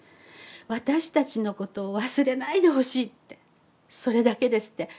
私たちのことを忘れないでほしいってそれだけですって。